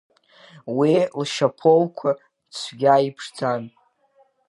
Уи лшьапоуқәа цәгьа иԥшӡан…